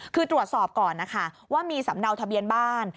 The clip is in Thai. คือตรวจสอบก่อนนะคะว่ามีสำเนาทะเบียนบ้าน